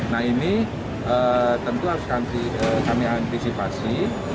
nah ini tentu harus kami antisipasi